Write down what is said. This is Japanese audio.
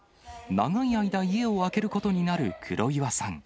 長い間家を空けることになる黒岩さん。